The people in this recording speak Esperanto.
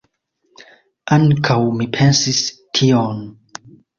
Ankaŭ mi pensis tion.